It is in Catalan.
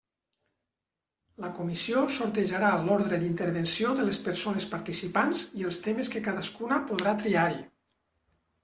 La comissió sortejarà l'ordre d'intervenció de les persones participants i els temes que cadascuna podrà triar-hi.